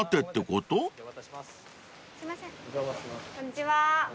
こんにちは。